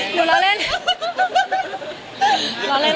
เห้ยอะไรชัดเจน